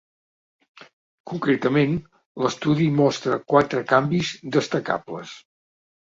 Concretament, l’estudi mostra quatre canvis destacables.